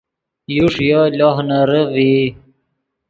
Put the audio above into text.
یو ݰییو لوہ نرے ڤئی